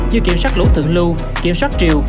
như kiểm soát lũ thượng lưu kiểm soát triều